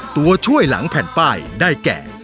ตัวช่วยหลังแผ่นป้ายได้แก่